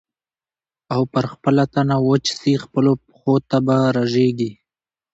او پر خپله تنه وچ سې خپلو پښو ته به رژېږې